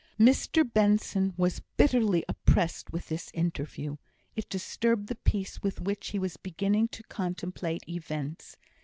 Mr Benson was bitterly oppressed with this interview; it disturbed the peace with which he was beginning to contemplate events.